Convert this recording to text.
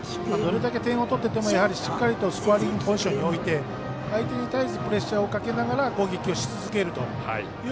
どれだけ点を取っていてもしっかりとスコアリングポジションに置いて相手に絶えずプレッシャーをかけながら攻撃をし続けると。